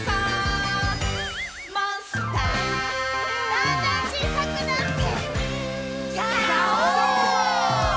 だんだんちいさくなって。